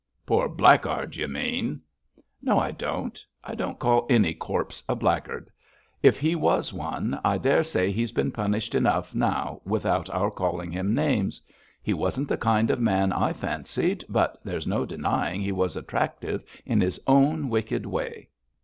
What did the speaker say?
'Poor blackguard, you mean!' 'No, I don't. I don't call any corpse a blackguard. If he was one, I daresay he's being punished enough now without our calling him names. He wasn't the kind of man I fancied, but there's no denying he was attractive in his own wicked way.'